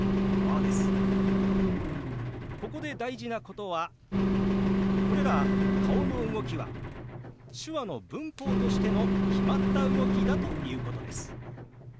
ここで大事なことはこれら顔の動きは手話の文法としての決まった動きだということです。